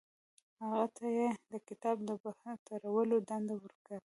هغه ته یې د کتاب د بهترولو دنده ورکړه.